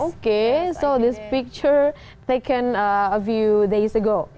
oke jadi ini gambar yang dibuat beberapa hari lalu